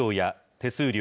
手数料